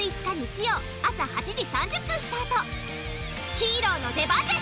ヒーローの出番です！